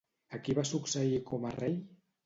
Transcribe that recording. A qui va succeir com a rei?